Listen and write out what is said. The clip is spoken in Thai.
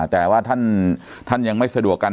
แต่ว่าท่านยังไม่สะดวกกัน